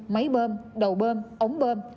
máy bơm đầu bơm ống bơm